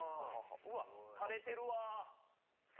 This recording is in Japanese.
うわっ垂れてるわ。